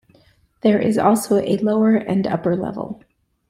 There is also a lower and upper level.